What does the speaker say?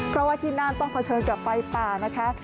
เพราะว่าที่น่านต้องเผชิญกับไฟป่านะคะ